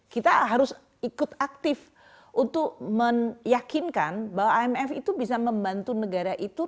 kita harus ikut aktif untuk meyakinkan bahwa imf itu bisa membantu negara itu